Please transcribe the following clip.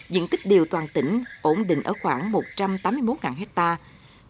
diện tích điều toàn tỉnh ổn định ở khoảng một trăm tám mươi một hectare